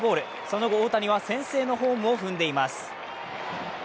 その後、大谷は先制のホームを踏んでいます。